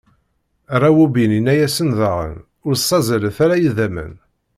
Rawubin inna-asen daɣen: Ur ssazzalet ara idammen!